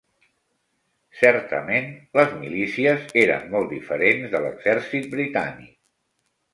Certament, les milícies eren molt diferents de l'exèrcit britànic.